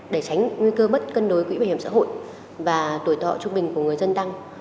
để tránh nguy cơ mất cân đối quỹ bảo hiểm xã hội và tuổi thọ trung bình của người dân tăng